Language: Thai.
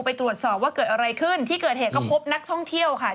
ไปตรวจสอบว่าเกิดอะไรขึ้นที่เกิดเหตุก็พบนักท่องเที่ยวค่ะ